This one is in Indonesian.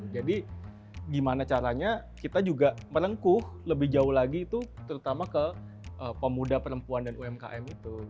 jadi gimana caranya kita juga merengkuh lebih jauh lagi itu terutama ke pemuda perempuan dan umkm itu